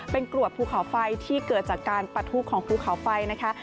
เป็นกรวดภูเขาไฟที่เกิดจากการปะทุของภูเขาไฟนะคะ